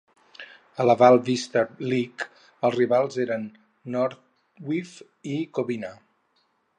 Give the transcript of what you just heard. A la Valle Vista League, els rivals eren Northview i Covina.